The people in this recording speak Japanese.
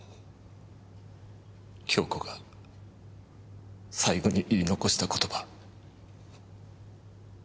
杏子が最期に言い残した言葉。